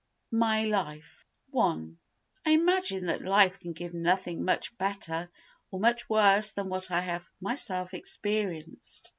My Life i I imagine that life can give nothing much better or much worse than what I have myself experienced.